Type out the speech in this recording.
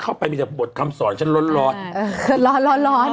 ไปมีแต่บทคำสอนฉันร้อนร้อนเออร้อนร้อนร้อน